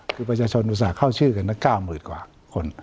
คือประชาชนอุตส่าห์เข้าชื่อกันนะ๙๐๐กว่าคน